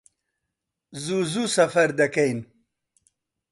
زوو زوو سەفەر دەکەین